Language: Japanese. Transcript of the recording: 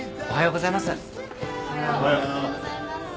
おはようございます。